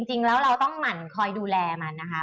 จริงแล้วเราต้องหมั่นคอยดูแลมันนะคะ